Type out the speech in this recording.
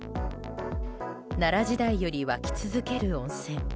奈良時代より湧き続ける温泉。